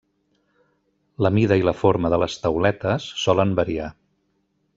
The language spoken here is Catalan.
La mida i la forma de les tauletes solen variar.